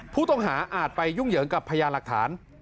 ผู้ต่างหาอาจไปยุ่งเหยิงกับพญาหลักฐาน